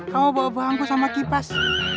kamu bawa bangku sama kipas